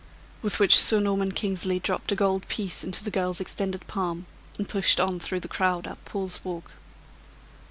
With which Sir Norman Kingsley dropped a gold piece into the girl's extended palm, and pushed on through the crowd up Paul's Walk.